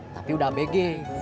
tapi udah abg